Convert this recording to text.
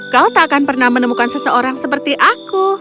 kau tak akan pernah menemukan seseorang seperti aku